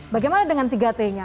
bagaimana dengan tiga t nya